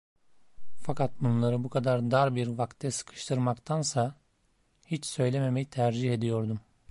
Fakat bunları bu kadar dar bir vakte sıkıştırmaktansa, hiç söylememeyi tercih ediyordum.